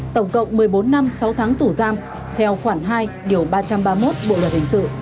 tổng cộng một mươi bốn năm sáu tháng tủ giam theo khoảng hai ba trăm ba mươi một bộ lợi hình sự